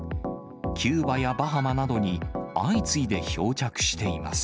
キューバやバハマなどに相次いで漂着しています。